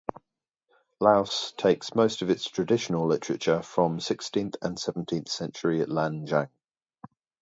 Laos takes most of its traditional literature from sixteenth and seventeenth century Lan Xang.